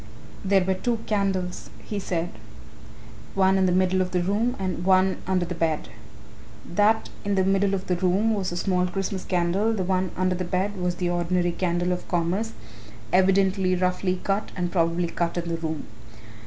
"There were two candles," he said, "one in the middle of the room and one under the bed. That in the middle of the room was a small Christmas candle, the one under the bed was the ordinary candle of commerce evidently roughly cut and probably cut in the room.